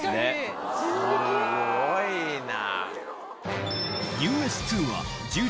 すごいな。